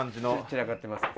散らかってます。